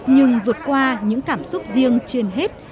nhưng vượt qua những cảm xúc riêng trên hết